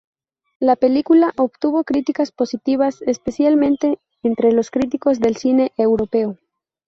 La película obtuvo críticas positivas, especialmente entre los críticos del cine europeo.